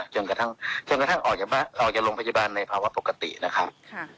จนกระท่างเราออกโรงพยาบาลในภาคว่าปกตินะครับ